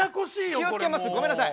気をつけますごめんなさい。